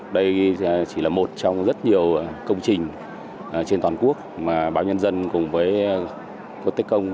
đây chỉ là một trong rất nhiều công trình trên toàn quốc mà báo nhân dân cùng với tập đoàn quân tết công